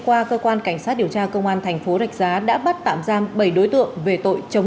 qua cơ quan cảnh sát điều tra công an thành phố rạch giá đã bắt tạm giam bảy đối tượng về tội chống